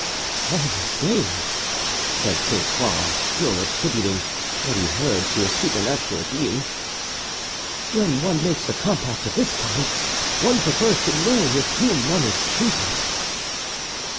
"All the same," said Sainte Croix, still attributing what he heard to a supernatural being, "when one makes a compact of this kind, one prefers to know with whom one is treating."